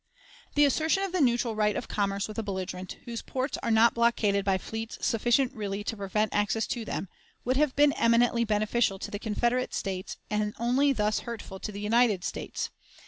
The assertion of the neutral right of commerce with a belligerent, whose ports are not blockaded by fleets sufficient really to prevent access to them, would have been eminently beneficial to the Confederate States, and only thus hurtful to the United States.